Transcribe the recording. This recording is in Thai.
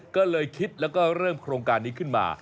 ก็เลยคิดแล้วก็เริ่มโครงการนี้ขึ้นมา